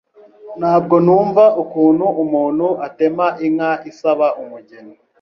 Ntabwo numva ukuntu umuntu atem inka isaba umugeni